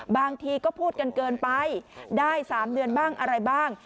บางทีก็พูดกันเกินไปได้๓เดือนบ้างอะไรบ้าง